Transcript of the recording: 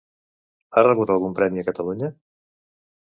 Ha rebut algun premi a Catalunya?